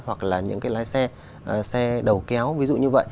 hoặc là những cái lái xe xe đầu kéo ví dụ như vậy